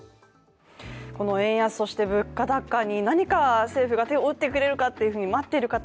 この円安、そして物価高に何か政府が手を打ってくれるかと待っている方